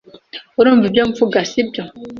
Urumva ibyo mvuga, sibyo?